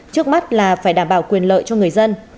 trước mắt là phải đảm bảo quyền lợi cho người dân